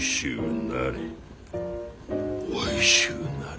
おいしゅうなれ。